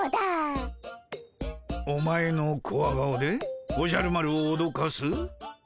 お前のコワ顔でおじゃる丸をおどかす？